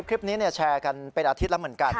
คลิปนี้แชร์กันเป็นอาทิตย์แล้วเหมือนกัน